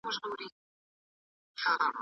دا موضوع زما لپاره ډېره جالبه وه.